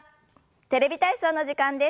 「テレビ体操」の時間です。